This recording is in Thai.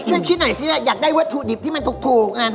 ช่วยคิดหน่อยสิว่าอยากได้วัตถุดิบที่มันถูก